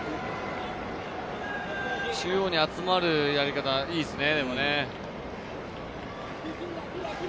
中央に集まるやり方、いいっすね。